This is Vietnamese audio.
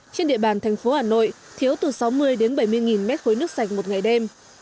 trên địa bàn thành phố hà nội thiếu từ sáu mươi đến bảy mươi mét khối nước sạch một ngày đêm